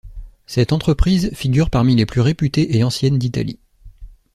Cette entreprise figure parmi les plus réputées et anciennes d'Italie.